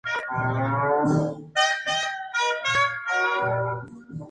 Esta sería una temporada dividida.